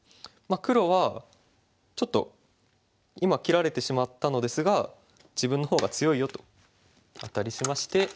黒はちょっと今切られてしまったのですが「自分の方が強いよ」とアタリしまして。